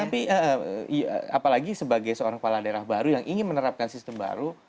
tapi apalagi sebagai seorang kepala daerah baru yang ingin menerapkan sistem baru